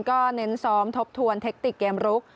ก็เน้นซ้อมทบทวนเทคติกเกมรุก